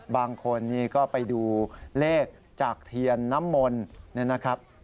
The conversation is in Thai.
บางคนนี่ก็ไปดูเลขจากเทียนน้ำมนต์นะครับ